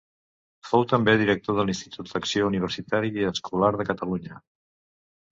Fou també director de l'Institut d'Acció Universitària i Escolar de Catalunya.